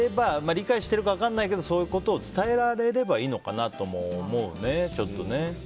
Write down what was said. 理解しているか分からないけどそういうことを伝えられればいいのかなとも思うね。